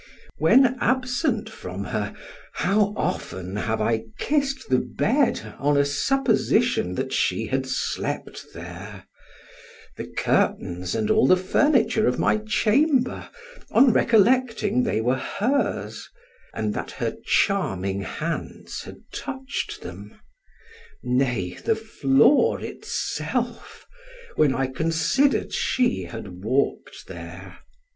When absent from her, how often have I kissed the bed on a supposition that she had slept there; the curtains and all the furniture of my chamber, on recollecting they were hers, and that her charming hands had touched them; nay, the floor itself, when I considered she had walked there.